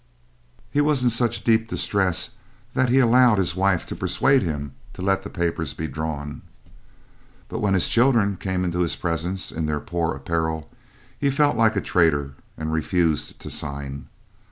He was in such deep distress that he allowed his wife to persuade him to let the papers be drawn; but when his children came into his presence in their poor apparel, he felt like a traitor and refused to sign.